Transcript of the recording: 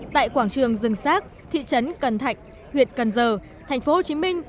tại quảng trường rừng xác thị trấn cần thạnh huyện cần giờ thành phố hồ chí minh